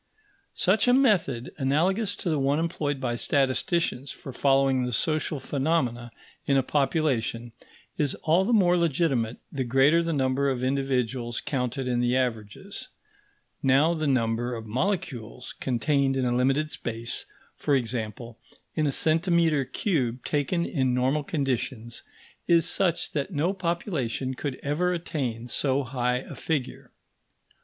Such a method, analogous to the one employed by statisticians for following the social phenomena in a population, is all the more legitimate the greater the number of individuals counted in the averages; now, the number of molecules contained in a limited space for example, in a centimetre cube taken in normal conditions is such that no population could ever attain so high a figure.